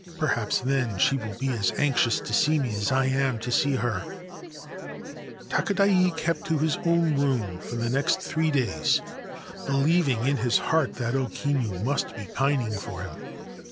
Perhaps then she will be as anxious to see me as I am to see her/ Takadai kept to his own room for the next three days, believing in his heart that O Kinu must be pining for him.